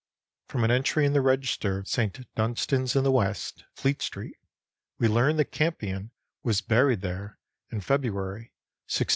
From an entry in the register of St. Dunstan's in the West, Fleet Street, we learn that Campion was buried there in February, 1619 20.